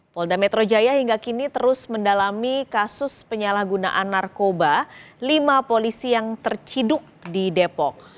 polda metro jaya hingga kini terus mendalami kasus penyalahgunaan narkoba lima polisi yang terciduk di depok